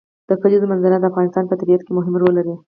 د کلیزو منظره د افغانستان په طبیعت کې مهم رول لري.